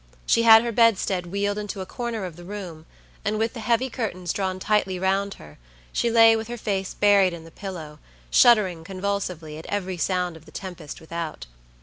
She had her bedstead wheeled into a corner of the room, and with the heavy curtains drawn tightly round her, she lay with her face buried in the pillow, shuddering convulsively at every sound of the tempest without.